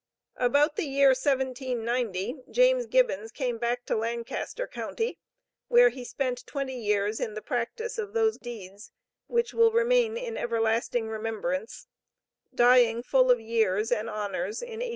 About the year 1790, James Gibbons came back to Lancaster county, where he spent twenty years in the practice of those deeds which will remain "in everlasting remembrance;" dying, full of years and honors, in 1810.